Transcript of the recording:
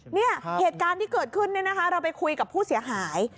เนี่ยเหตุการณ์ที่เกิดขึ้นเนี่ยนะคะเราไปคุยกับผู้เสียหาย